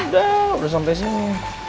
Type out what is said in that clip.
sudah sudah sampai sini